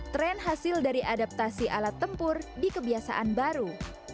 tren hasil dari adaptasi alat tempur di kebiasaan baru